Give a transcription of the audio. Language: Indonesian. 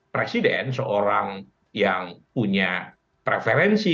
presiden seorang yang punya preferensi